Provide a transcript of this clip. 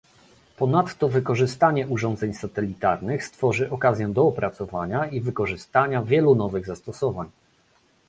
Ponadto wykorzystanie urządzeń satelitarnych stworzy okazję do opracowania i wykorzystania wielu nowych zastosowań